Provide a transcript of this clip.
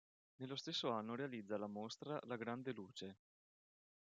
Nello stesso anno realizza la mostra "La grande luce.